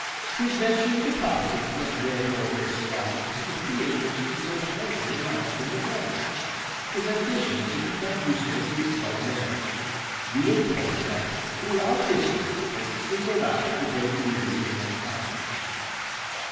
His venture into politics must therefore be ascribed to the feeling which he so frankly announced in his letter, his ambition to become useful to his fellow men the impulse that throughout history has singled out the great leaders of mankind.